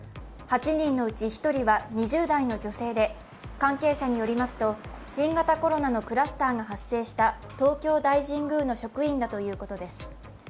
８人のうち１人は２０代の女性で関係者によりますと新型コロナのクラスターが発生した東京大神宮の職員だということです。